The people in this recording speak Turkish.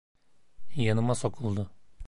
Yanıma sokuldu.